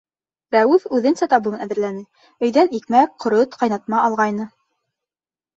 Рәүеф үҙенсә табын әҙерләне, өйҙән икмәк, ҡорот, ҡайнатма алғайны.